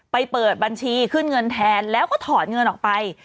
เปิดบัญชีขึ้นเงินแทนแล้วก็ถอดเงินออกไป